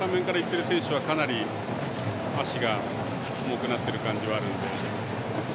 スタメンからいっている選手はかなり足が重くなってる感じはあるので。